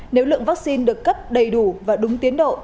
nếu lượng vaccine được cấp đầy đủ và đúng tiến độ